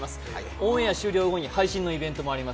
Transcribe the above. オンエア終了後に配信のイベントもあります。